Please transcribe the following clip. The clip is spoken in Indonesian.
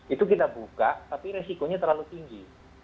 itu kita buka tapi resikonya terlalu tinggi